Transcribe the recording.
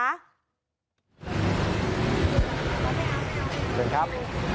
เชิญครับ